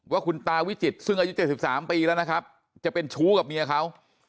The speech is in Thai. ว่าคุณตาวิจิตรซึ่งอายุ๗๓ปีแล้วนะครับจะเป็นชู้กับเมียเขา